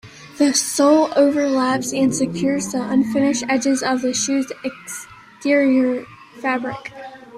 The sole overlaps and secures the unfinished edges of the shoe's exterior fabric.